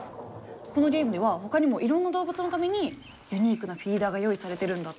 このゲームではほかにもいろんな動物のためにユニークなフィーダーが用意されてるんだって。